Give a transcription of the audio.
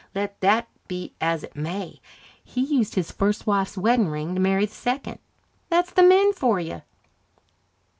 Let that be as it may, he used his first wife's wedding ring to marry the second. That's the men for you."